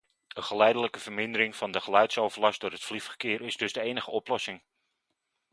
Een geleidelijke vermindering van de geluidsoverlast door het vliegverkeer is dus de enige oplossing.